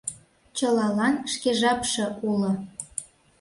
Чылалан шке жапше уло!